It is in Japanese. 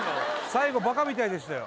最後バカみたいでしたよ